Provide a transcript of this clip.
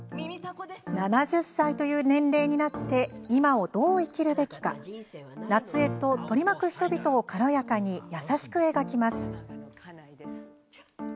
７０歳という年齢になって今をどう生きるべきか夏江と取り巻く人々を軽やかに優しく描きます。